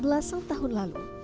belasang tahun lalu